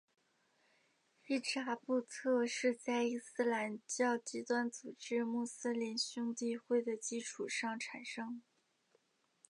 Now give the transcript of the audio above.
伊扎布特是在伊斯兰教极端组织穆斯林兄弟会的基础上产生。